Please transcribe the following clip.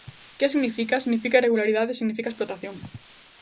¿Que significa?, significa irregularidade e significa explotación.